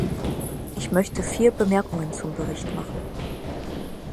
Ich möchte vier Bemerkungen zum Bericht machen.